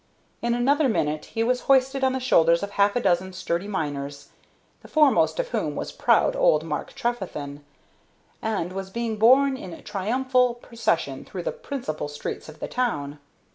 In another minute he was hoisted on the shoulders of half a dozen sturdy miners, the foremost of whom was proud old Mark Trefethen, and was being borne in triumphal procession through the principal streets of the town.